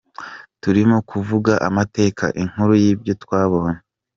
Turimo kuvuga amateka, inkuru y’ibyo twabonye ».